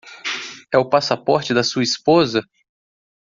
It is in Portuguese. É o passaporte da sua esposa?